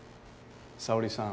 沙織さん